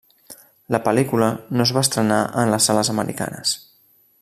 La pel·lícula no es va estrenar en les sales americanes.